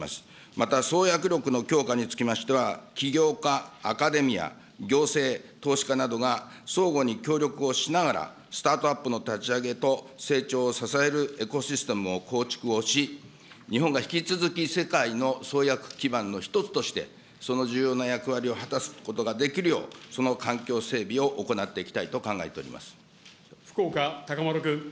また、創薬力の強化につきましては、起業家、アカデミア、行政、投資家などが相互に協力をしながら、スタートアップの立ち上げと成長を支えるエコシステムの構築をし、日本が引き続き世界の創薬基盤の一つとして、その重要な役割を果たすことができるよう、その環境整備を行って福岡資麿君。